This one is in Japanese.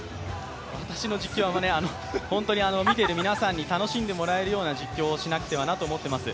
私の実況は、本当に見ている皆さんに楽しんでもらえるような実況をしなくてはなと思ってます。